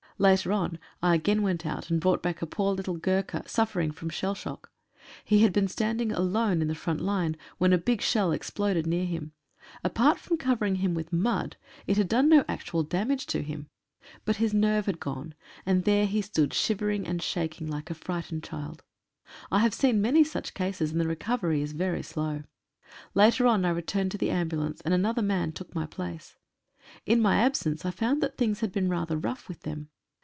Later on I again went out and brought back a poor little Gurkha suffering from shell shock. He had been standing alone in the front line when a big shell exploded near him. Apart from covering him with mud, it had done no actual damage to him. But his 133 LIGHTS AND SHADES OF BATTLE. nerve had gone, and there he stood shivering and shaking like a frightened child. I have seen many such cases, and the recovery is very slow. Later on I returned to the ambulance, and another man took my place. In my absence I found that things had been rather rough with them.